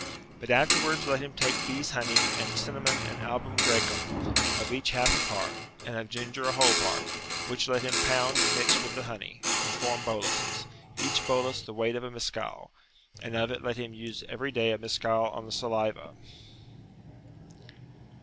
But afterwards let him take bees honey and cinnamon and album graecum, of each half a part, and of ginger a whole part, which let him pound and mix with the honey, and form boluses, each bolus the weight of a Miskal, and of it let him use every day a Miskal on the saliva.